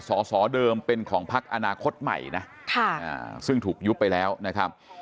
สอสอเดิมเป็นของพักอนาคตใหม่นะซึ่งถูกยุบไปแล้วนะครับ